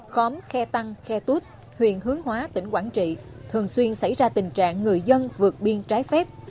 khóm khe tăng khe tuốt huyện hướng hóa tỉnh quảng trị thường xuyên xảy ra tình trạng người dân vượt biên trái phép